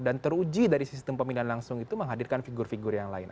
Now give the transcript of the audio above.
dan teruji dari sistem pemilihan langsung itu menghadirkan figur figur yang lain